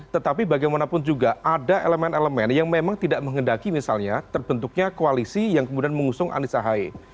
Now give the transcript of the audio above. tetapi bagaimanapun juga ada elemen elemen yang memang tidak menghendaki misalnya terbentuknya koalisi yang kemudian mengusung anies ahy